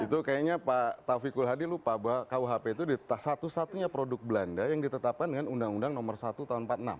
itu kayaknya pak taufikul hadi lupa bahwa kuhp itu satu satunya produk belanda yang ditetapkan dengan undang undang nomor satu tahun seribu sembilan ratus empat puluh enam